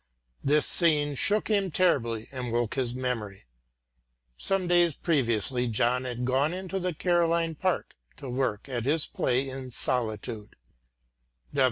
This scene shook him terribly and woke his memory. Some days previously John had gone into the Carolina Park to work at his play in solitude.